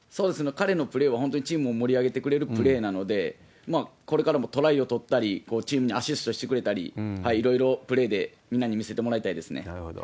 彼のプレーは本当にチームを盛り上げてくれるプレーなので、これからもトライを取ったり、チームにアシストしてくれたり、いろいろプレーでみんなるほど。